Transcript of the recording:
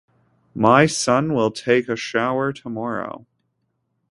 My son will take a shower tomorrow.